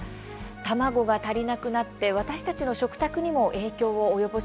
卵が足りなくなって私たちの食卓にも影響を及ぼしています。